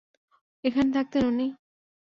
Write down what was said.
এখানে থাকতেন উনি?